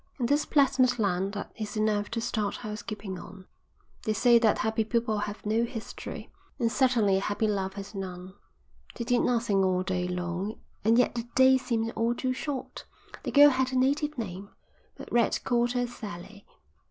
In this pleasant land that is enough to start housekeeping on." "They say that happy people have no history, and certainly a happy love has none. They did nothing all day long and yet the days seemed all too short. The girl had a native name, but Red called her Sally.